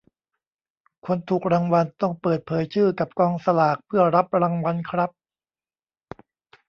คนถูกรางวัลต้องเปิดเผยชื่อกับกองสลากเพื่อรับรางวัลครับ.